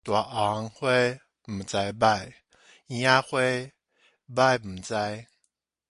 大紅花毋知䆀，圓仔花䆀毋知